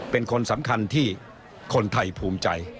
เป็นคนสำคัญที่คนไทยภูมิใจ